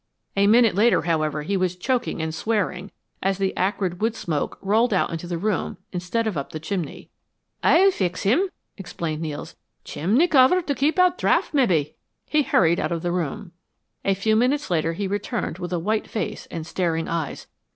A minute later, however, he was choking and swearing as the acrid wood smoke rolled out into the room instead of up the chimney. "Aye fix him," explained Nels. "Chimney cover to keep out draft, mebbe." He hurried out of the room. A few minutes later he returned with a white face and staring eyes.